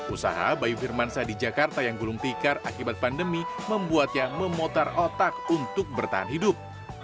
usaha bayu firmansa di jakarta yang gulung tikar akibat pandemi membuatnya memutar otak untuk bertahan hidup